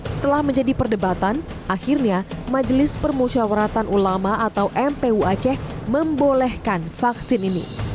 setelah menjadi perdebatan akhirnya majelis permusyawaratan ulama atau mpu aceh membolehkan vaksin ini